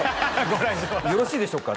ご来場よろしいでしょうか？